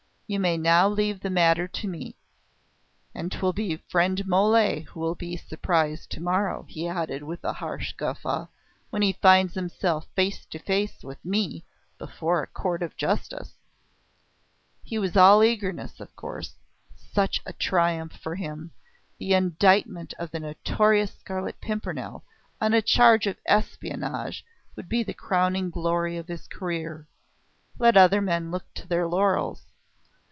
"You may now leave the matter to me. And 'twill be friend Mole who will be surprised to morrow," he added with a harsh guffaw, "when he finds himself face to face with me, before a Court of Justice." He was all eagerness, of course. Such a triumph for him! The indictment of the notorious Scarlet Pimpernel on a charge of espionage would be the crowning glory of his career! Let other men look to their laurels!